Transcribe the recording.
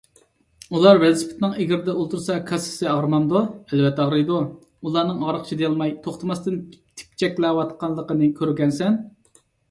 _ ئۇلار ۋېلىسىپىتنىڭ ئېگىرىدە ئولتۇرسا كاسسىسى ئاغرىمامدۇ؟ _ ئەلۋەتتە ئاغرىيدۇ، ئۇلارنىڭ ئاغرىققا چىدىيالماي توختىماستىن تېپىچەكلەۋاتقانلىقىنى كۆرگەنىسەن.